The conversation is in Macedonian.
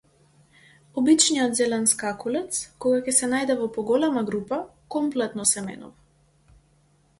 Обичниот зелен скакулец, кога ќе се најде во поголема група, комплетно се менува.